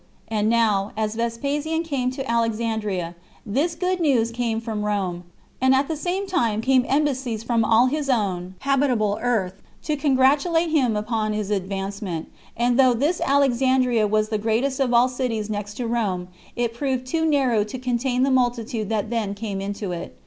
And now, as Vespasian was come to Alexandria, this good news came from Rome, and at the same time came embassies from all his own habitable earth, to congratulate him upon his advancement; and though this Alexandria was the greatest of all cities next to Rome, it proved too narrow to contain the multitude that then came to it.